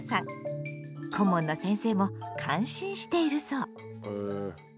顧問の先生も感心しているそう。